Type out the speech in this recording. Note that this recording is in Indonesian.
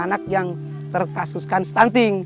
anak yang terkasuskan stunting